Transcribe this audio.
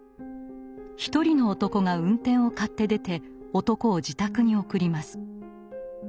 一人の男が運転を買って出て男を自宅に送ります。